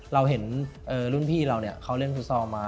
เราเห็นรุ่นพี่เราเนี่ยเขาเล่นฟุตซอลมา